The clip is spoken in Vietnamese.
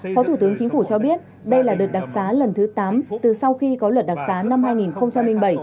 phó thủ tướng chính phủ cho biết đây là đợt đặc sá lần thứ tám từ sau khi có luật đặc sá năm hai nghìn một mươi bảy